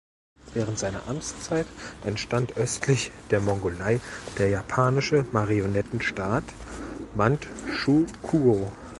Während seiner Amtszeit entstand östlich der Mongolei der japanische Marionettenstaat Mandschukuo.